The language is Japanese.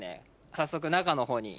早速中のほうに。